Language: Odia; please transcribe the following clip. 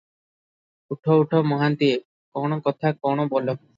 ଉଠ ଉଠ ମହାନ୍ତିଏ, କଣ କଥା କଣ ବୋଲ ।"